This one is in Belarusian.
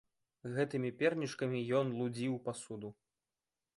Гэтымі пернічкамі ён лудзіў пасуду.